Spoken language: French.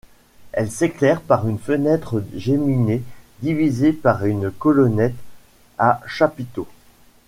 Elle s'éclaire par une fenêtre géminée divisée par une colonnette à chapiteau.